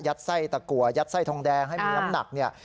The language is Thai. ไส้ตะกัวยัดไส้ทองแดงให้มีน้ำหนักเนี่ย